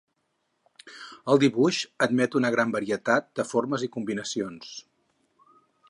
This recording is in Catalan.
El dibuix admet una gran varietat de formes i combinacions.